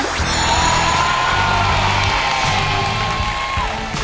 เย้